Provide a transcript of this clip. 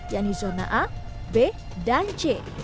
yakni zona a b dan c